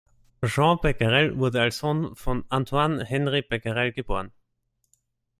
Jean Becquerel wurde als Sohn von Antoine Henri Becquerel geboren.